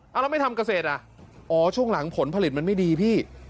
เอาแล้วไม่ทำเกษตรอ่ะอ๋อช่วงหลังผลผลิตมันไม่ดีพี่